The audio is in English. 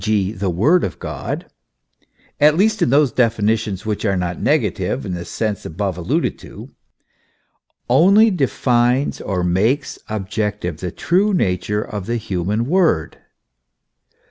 g., of the Word of God, at least in those definitions which are not negative in the sense ahove alluded to, only defines or makes objective the true nature of the human word.